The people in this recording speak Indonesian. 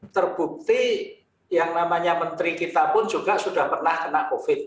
terbukti yang namanya menteri kita pun juga sudah pernah kena covid